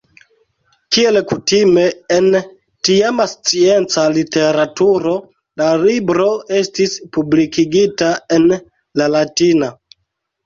Kiel kutime en tiama scienca literaturo, la libro estis publikigita en la latina.